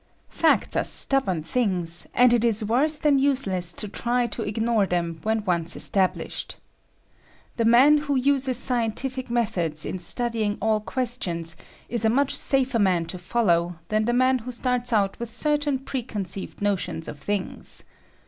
Facts are stubborn things, and it is worse than useless to try to ignore them when once established. The man who uses scientific methods in studying all questions is a much safer man to follow than the man who starts out with certain preconceived notions of things.